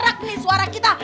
sampai serak nih suara kita